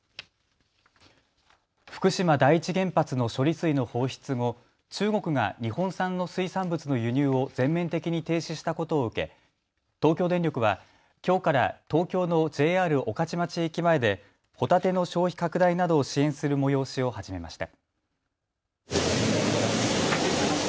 福島第一原発の処理水の放出後、中国が日本産の水産物の輸入を全面的に停止したことを受け東京電力はきょうから東京のＪＲ御徒町駅前でホタテの消費拡大などを支援する催しを始めました。